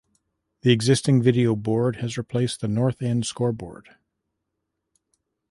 The existing video board has replaced the north end scoreboard.